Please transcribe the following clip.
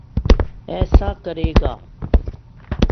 ایسا کرے گا۔